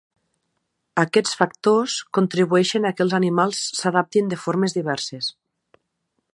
Aquests factors contribueixen a que els animals s'adaptin de formes diverses.